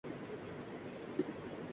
اور امریکہ سے بھی۔